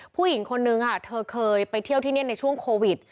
ผู้หญิงคนนึงเธอเคยไปเที่ยวที่นี่ในช่วงโควิด